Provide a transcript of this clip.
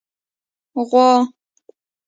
🐄 غوا